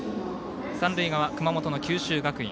三塁側、熊本の九州学院。